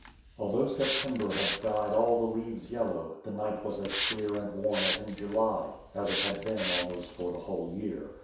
Although September had dyed all the leaves yellow, the night was as clear and warm as in July, as it had been almost for the whole year.